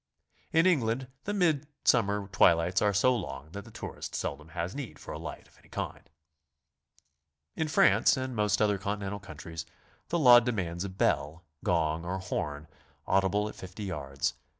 In England the mid summer twilights are so long that the tourist seldom has need for a light of any kind. In Fran'ce and most other Continental countries the law demands a bell, gong, or horn, audible at 50 yards.